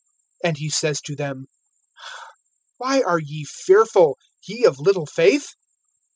(26)And he says to them: Why are ye fearful, ye of little faith?